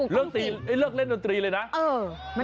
เลือกเล่นดนตรีเลยนะ